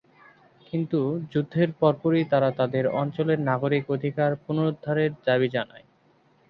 কিন্তু যুদ্ধের পরপরই তারা তাদের অঞ্চলের নাগরিক অধিকার পুনরুদ্ধারের দাবি জানায়।